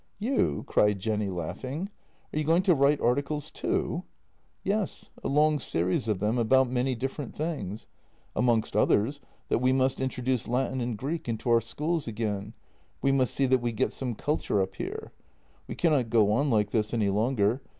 "You!" cried Jenny, laughing. "Are you going to write articles too? "" Yes; a long series of them about many different things. Amongst others, that we must introduce Latin and Greek into our schools again; we must see that we get some culture up here. We cannot go on like this any longer.